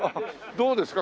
どうですか？